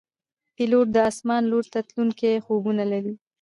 پیلوټ د آسمان لور ته تلونکي خوبونه لري.